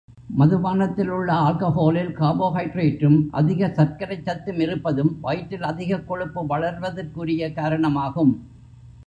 மதுபானத்தில் உள்ள ஆல்கஹாலில் கார்போஹைடிரேட்டும், அதிக சர்க்கரைச் சத்தும் இருப்பதும் வயிற்றில் அதிகக் கொழுப்பு வளர்வதற்குரிய காரணமாகும்.